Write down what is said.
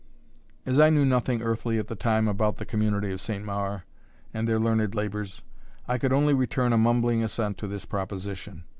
As I knew nothing earthly at the time about the community of St. Maur, and their learned labours, I could only return a mumbling assent to this proposition.